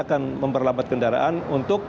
akan memperlambat kendaraan untuk